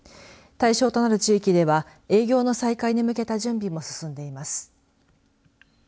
対象となる地域では営業の再開に向けた準備も進んでいます。